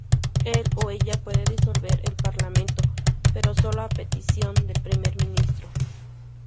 Él o ella puede disolver el parlamento, pero sólo a petición del Primer Ministro.